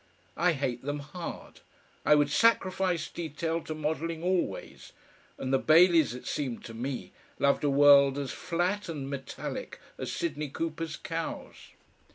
I hate them hard. I would sacrifice detail to modelling always, and the Baileys, it seemed to me, loved a world as flat and metallic as Sidney Cooper's cows.